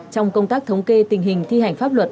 trong công tác thống kê tình hình thi hành pháp luật